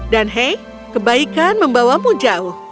dan hei kebaikan membawamu jauh